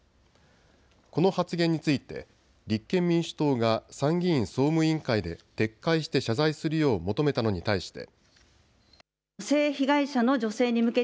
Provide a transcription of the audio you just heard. この発言について立憲民主党が参議院総務委員会で撤回して謝罪するよう求めたのに対して。